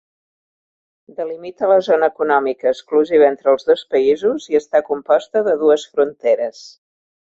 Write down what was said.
Delimita la zona econòmica exclusiva entre els dos països i està composta de dues fronteres.